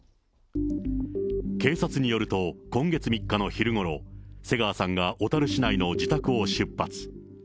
警察によると、今月３日の昼ごろ、瀬川さんが小樽市内の自宅を出発。